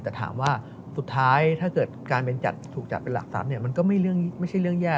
แต่ถามว่าสุดท้ายถ้าเกิดการเป็นจัดถูกจัดเป็นหลักทรัพย์มันก็ไม่ใช่เรื่องแย่